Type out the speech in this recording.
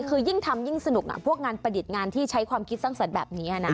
คือยิ่งทำยิ่งสนุกพวกงานประดิษฐ์งานที่ใช้ความคิดสร้างสรรค์แบบนี้นะ